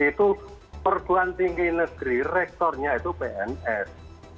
itu perguruan tinggi negeri rektornya itu pns